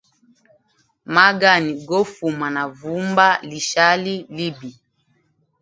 Magani gofuma na vumba lishali libi.